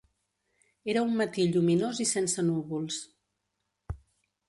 Era un matí lluminós i sense núvols.